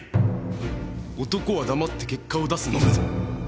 男は黙って結果を出すのみぞ。